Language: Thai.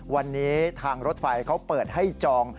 วันนี้ทางรถไฟเขาเปิดให้จอง